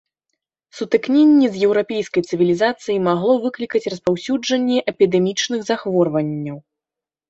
Сутыкненне з еўрапейскай цывілізацыяй магло выклікаць распаўсюджанне эпідэмічных захворванняў.